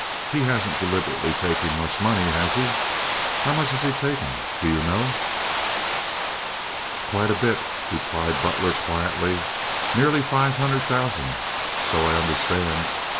"He hasn't deliberately taken much money, has he? How much has he taken—do you know?" "Quite a bit," replied Butler, quietly. "Nearly five hundred thousand, so I understand.